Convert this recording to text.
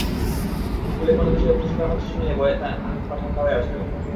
স্কুলে কোনো বিষয়ে পুরস্কার পাচ্ছে শুনলেই ভয়ে তার হাত-পা ঠান্ডা হয়ে আসত।